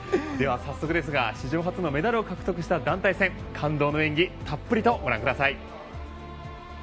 早速ですが史上初のメダルを獲得した団体戦、感動の演技たっぷりとご覧ください。